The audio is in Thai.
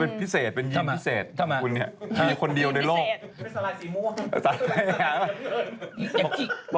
เขาอาจจะเป็นแบบพวกแพงต้นเป็นสัตว์เซลล์เดียวหรืออะไรอย่างนี้